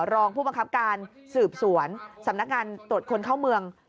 รองผู้บังคับการสืบสวนสำนักงานตรวจคนเข้าเมือง